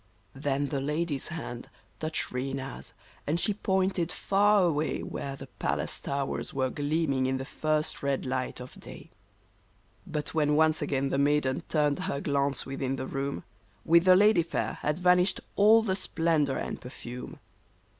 Then the lady's hand touched Rena's, and she pointed far away, Where the palace towers were gleaming in the first red light of day. But when once again the maiden turnedher glance within the room, With the lady fair had vanished all the splendor and per fume.